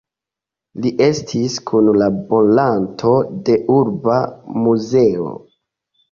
Li estis kunlaboranto de urba muzeo.